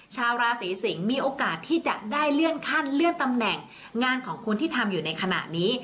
ชาวราศีสิงศ์มีโอกาสที่จะได้เลื่อนขั้นเลื่อนตำแหน่งงานของคุณที่ทำอยู่ในขณะนี้